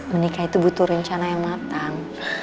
menikah itu butuh rencana yang matang